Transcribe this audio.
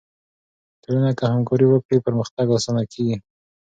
ټولنه که همکاري وکړي، پرمختګ آسانه کیږي.